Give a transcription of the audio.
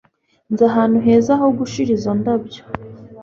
Nzi ahantu heza ho gushira izo ndabyo